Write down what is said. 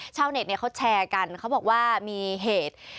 ชาวเน็ตเนี่ยเขาแชร์กันเขาบอกว่ามีเหตุ